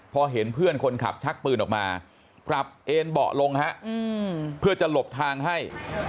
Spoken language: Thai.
พอเห็นเพื่อนคนขับชักปืนออกมาปรับเอ็นเบาะลงฮะเพื่อจะหลบทางให้